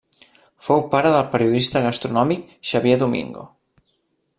Fou pare del periodista gastronòmic Xavier Domingo.